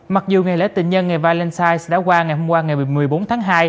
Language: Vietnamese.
mặc dù ngày lễ tình nhân ngày valentine đã qua ngày hôm qua ngày một mươi bốn tháng hai